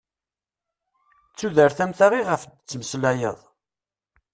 D tudert am ta iɣef d-ttmeslayeḍ?